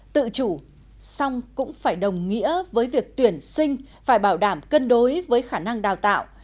tự chủ song cũng phải đồng nghĩa với việc tuyển sinh phải bảo đảm cân đối với khả năng đào tạo